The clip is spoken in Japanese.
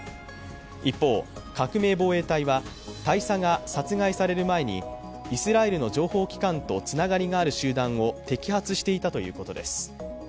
一方、革命防衛隊は大佐が殺害される前にイスラエルの情報機関とつながりがある集団を摘発していたということです。